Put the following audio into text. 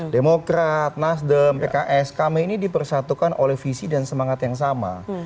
demokrat nasdem pks kami ini dipersatukan oleh visi dan semangat yang sama